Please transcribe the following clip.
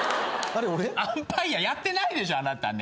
アンパイアやってないでしょあなたね。